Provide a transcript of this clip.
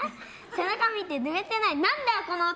背中見て、ぬれてない？